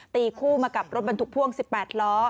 ตีคู่มากับรถบรรทุกพ่วง๑๘ล้อ